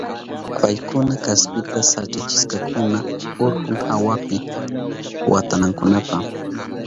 Paykuna kaspita sikachishkakuna urkun awapi watanankunapa.